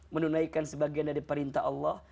menunaikan sebagian dari perintah allah